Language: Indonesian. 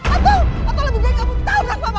atau lebih baik kamu tabrak mama